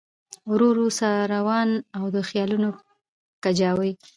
ورو ورو ساروانه او د خیالونو کجاوې